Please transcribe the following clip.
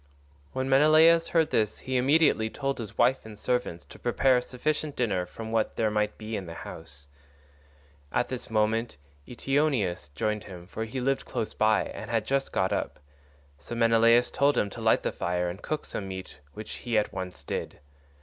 When Menelaus heard this he immediately told his wife and servants to prepare a sufficient dinner from what there might be in the house. At this moment Eteoneus joined him, for he lived close by and had just got up; so Menelaus told him to light the fire and cook some meat, which he at once did.